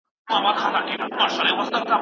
چي حملې نه له پردیو وي نه خپلو.